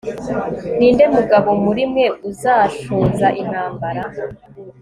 ni nde mugabo muri mwe uzashoza intambara